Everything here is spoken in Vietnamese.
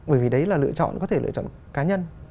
bởi vì đấy là lựa chọn có thể lựa chọn cá nhân